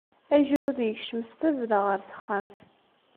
Agrud yekcem s tazzla ɣer texxamt.